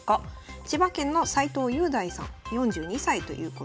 千葉県の斎藤雄大さん４２歳ということです。